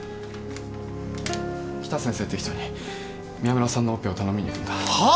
北先生って人に宮村さんのオペを頼みに行くんだはッ！？